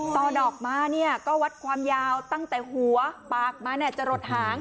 ต่อดอกมาเนี่ยก็วัดความยาวตั้งแต่หัวปากมาจะหลดหาง